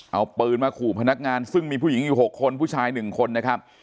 เอาปืนมาขู่พนักงานซึ่งมีผู้หญิงอยู่๖คนผู้ชาย๑คนนะครับ